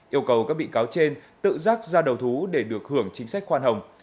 yêu cầu các bị cáo trên tự rác ra đầu thú để được hưởng chính sách khoan hồng